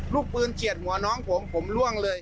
ลูกปืนเฉียดหัวน้องผมผมล่วงเลย